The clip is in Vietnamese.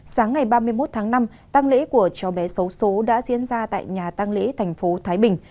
sáng ngày ba mươi một tháng năm tăng lễ của cháu bé xấu xố đã diễn ra tại nhà tăng lễ thành phố thái bình